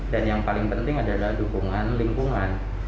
dan yang paling penting adalah dukungan lingkungan